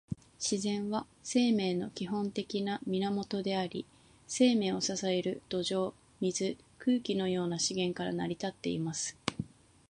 自然は、生命の基本的な源であり、生命を支える土壌、水、空気のような資源から成り立っています。